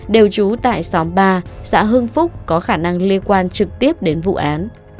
đều trú tại xóm ba xã hưng phúc có khả năng liên quan trực tiếp đến vụ án